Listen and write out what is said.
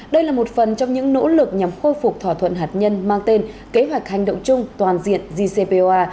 đây là một phần trong những nỗ lực nhằm khôi phục thỏa thuận hạt nhân mang tên kế hoạch hành động chung toàn diện gcpoa